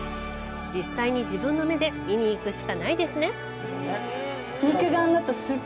実際に自分の目で見に行くしかないですね！